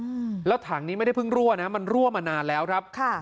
อืมแล้วถังนี้ไม่ได้เพิ่งรั่วนะมันรั่วมานานแล้วครับค่ะ